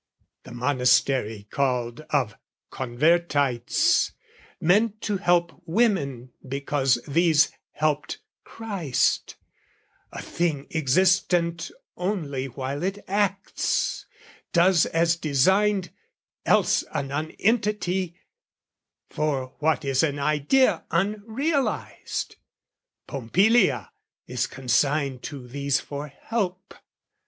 The Monastery called of Convertites, Meant to help women because these helped Christ, A thing existent only while it acts, Does as designed, else a nonentity, For what is an idea unrealised? Pompilia is consigned to these for help.